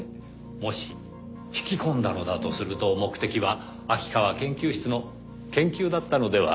もし引き込んだのだとすると目的は秋川研究室の研究だったのでは？